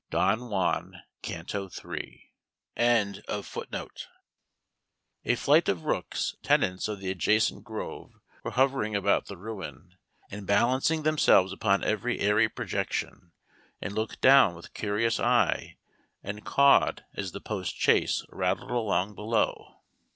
DON JUAN, Canto III.] A flight of rooks, tenants of the adjacent grove, were hovering about the ruin, and balancing themselves upon ever airy projection, and looked down with curious eye and cawed as the postchaise rattled along below.